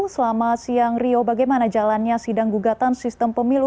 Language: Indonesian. selama siang rio bagaimana jalannya sidang gugatan sistem pemilu